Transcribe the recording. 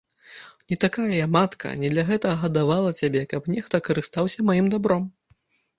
Не такая я матка, не для гэтага гадавала цябе, каб нехта карыстаўся маім дабром.